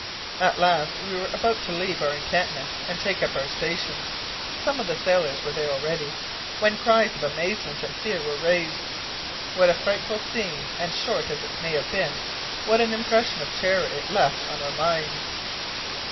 At last we were about to leave our encampment and take up our stations (some of the sailors were there already), when cries of amazement and fear were raised. What a frightful scene, and, short as it may have been, what an impression of terror it left on our minds!